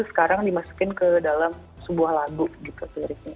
sekarang dimasukin ke dalam sebuah lagu gitu